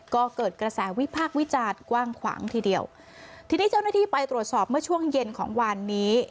ก็เกิดกระแสวิพากษ์วิจารณ์กว้างขวางทีเดียวทีนี้เจ้าหน้าที่ไปตรวจสอบเมื่อช่วงเย็นของวันนี้